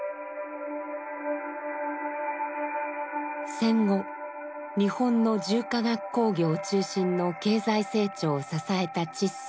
戦後日本の重化学工業中心の経済成長を支えたチッソ。